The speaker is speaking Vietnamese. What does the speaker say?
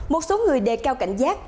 một số người đề cao cảnh giác